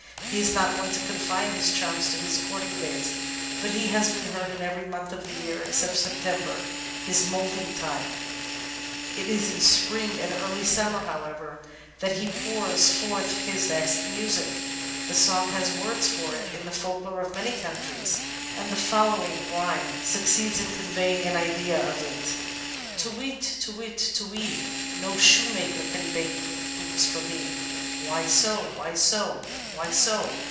He is not one to confine his charms to his courting days, but has been heard in every month of the year except September, his moulting time. It is in Spring 418 The Outline of Science and ear.y Summer, however, that he pours forth his hest music. The song has words for it in the folklore of many countries, and the following rhjnoie succeeds in conveying an idea of it: Tu whit, tu whit, tu whee. No shoemaker can make boots for me Why so? why so? why so?